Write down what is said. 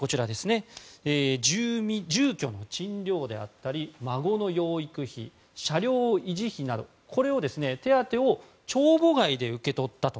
住居の賃料であったり孫の養育費車両維持費などの手当を帳簿外で受け取ったと。